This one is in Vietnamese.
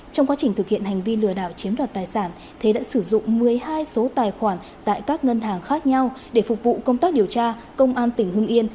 trong quá trình thực hiện hành vi lừa đảo chiếm đoạt tài sản thế đã sử dụng một mươi hai số tài khoản tại các ngân hàng khác nhau để phục vụ công tác điều tra công an tỉnh hưng yên